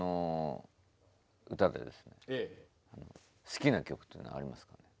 好きな曲っていうのはありますか？